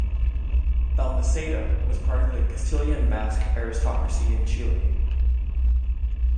Balmaceda was part of the Castilian-Basque aristocracy in Chile.